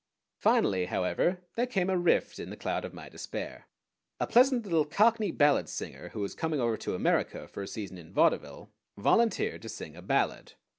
Finally, however, there came a rift in the cloud of my despair. A pleasant little cockney ballad singer who was coming over to America for a season in vaudeville volunteered to sing a ballad.